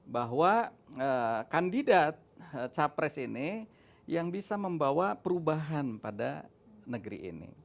bahwa kandidat capres ini yang bisa membawa perubahan pada negeri ini